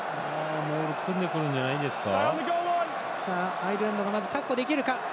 モール組んでくるんじゃないでしょうか。